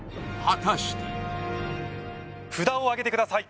果たして札をあげてください